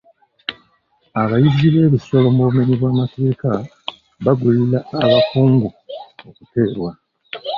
Abayizzi b'ebisolo mu bumenyi bw'amateeka bagulirira abakungu okuteebwa.